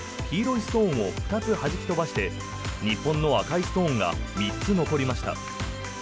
黄色いストーンを２つはじき飛ばして日本の赤いストーンが３つ残りました。